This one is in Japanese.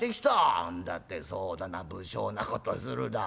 「あんだってそうだな不精なことするだ？